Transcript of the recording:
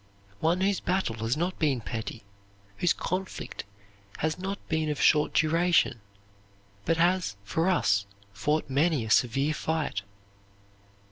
One whose battle has not been petty whose conflict has not been of short duration, but has for us fought many a severe fight.